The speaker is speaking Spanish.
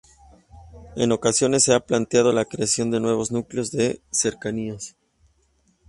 En ocasiones se ha planteado la creación de nuevos núcleos de cercanías.